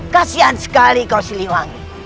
kasian sekali kau si liwangi